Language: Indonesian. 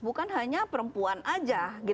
bukan hanya perempuan saja